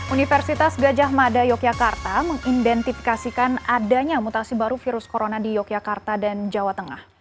universitas gajah mada yogyakarta mengidentifikasikan adanya mutasi baru virus corona di yogyakarta dan jawa tengah